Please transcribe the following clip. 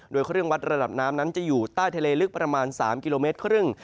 โดยเครื่องวัดระดับน้ำนั้นจะอยู่ใต้ทะเลลึกประมาณ๓กิโลเมตรครึ่ง